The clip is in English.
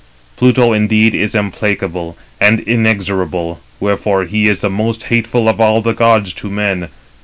Pluto indeed is implacable and inexorable, wherefore he is the most hateful of all the gods to men.